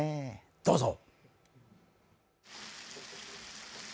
どうぞ！